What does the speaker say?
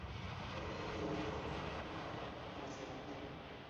大盘䲟为䲟科大盘䲟属的鱼类。